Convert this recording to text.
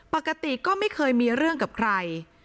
ปกติก็ไม่เคยมีเรื่องกับใคร